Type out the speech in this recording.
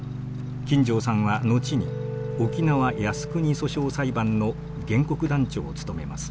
金城さんは後に「沖縄靖国訴訟裁判」の原告団長を務めます。